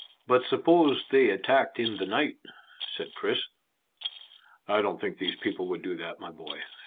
"But suppose they attacked in the night?" said Chris. "I don't think these people would do that, my boy.